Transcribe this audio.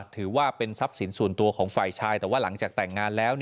ถือว่าเป็นทรัพย์สินส่วนตัวของฝ่ายชายแต่ว่าหลังจากแต่งงานแล้ว